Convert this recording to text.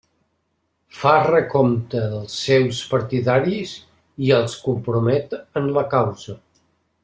Fa recompte dels seus partidaris i els compromet en la causa.